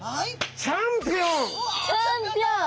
チャンピオン！